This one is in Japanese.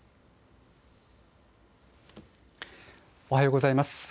おはようございます。